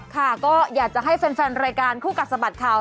ค่ะก็อยากจะให้แฟนรายการคู่กัดสะบัดข่าว